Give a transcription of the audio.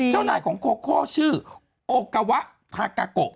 เจ้านายของโคโคชื่อโอกาวะพากาโก